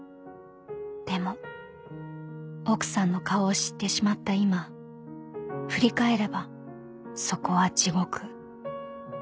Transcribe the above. ［でも奥さんの顔を知ってしまった今振り返ればそこは地獄］